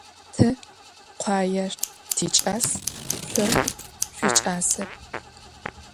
Te khuaêr tiç'as, şso şsuiç'asep.